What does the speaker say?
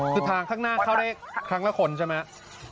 คือทางข้างหน้าเข้าได้ครั้งละคนใช่ไหม